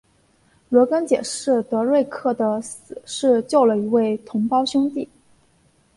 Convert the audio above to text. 罗根解释德瑞克的死是救了一位同袍兄弟。